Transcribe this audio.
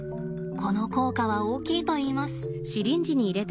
この効果は大きいといいます。